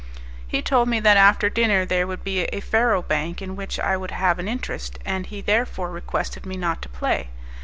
He told me that after dinner there would be a faro bank in which I would have an interest, and he therefore requested me not to play.